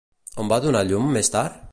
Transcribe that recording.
On va donar llum més tard?